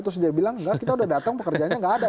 terus dia bilang enggak kita udah datang pekerjanya nggak ada